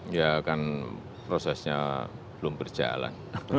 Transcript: ya kan prosesnya belum berjalan